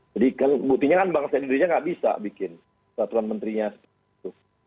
jadi buktinya bang said tidur tidak bisa membuat peraturan menterinya seperti itu